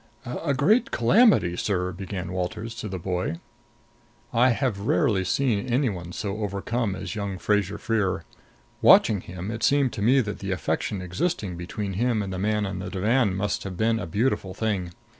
"A great calamity, sir " began Walters to the boy. I have rarely seen any one so overcome as young Fraser Freer. Watching him, it seemed to me that the affection existing between him and the man on the divan must have been a beautiful thing.